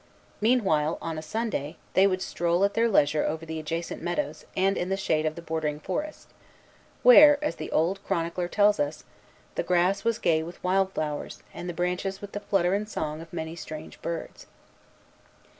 Meanwhile, on a Sunday, they would stroll at their leisure over the adjacent meadow and in the shade of the bordering forest, where, as the old chronicler tells us, the grass was gay with wild flowers, and the branches with the flutter and song of many strange birds. Dollier de Casson, MS.